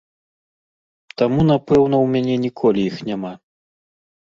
Таму, напэўна, ў мяне ніколі іх няма.